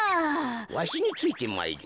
わしについてまいれ。